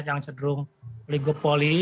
yang cenderung oligopoli